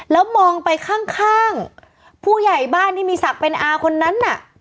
แล้วมองไปข้างผู้ใหญ่บ้านที่มีศักดิ์เป็นอาคนนั้นน่ะ